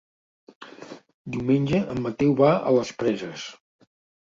Diumenge en Mateu va a les Preses.